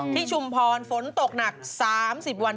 ชุมพรฝนตกหนัก๓๐วัน